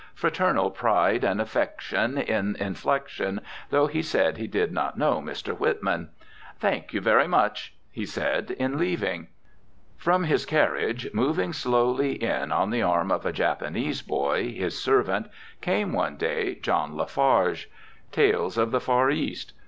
Fraternal pride and affection in inflection, though he said he did not know Mr. Whitman. "Thank you very much indeed," he said at leaving. From his carriage, moving slowly in on the arm of a Japanese boy, his servant, came one day John La Farge. Tales of the Far East.